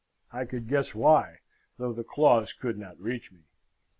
I could guess why, though the claws could not reach me.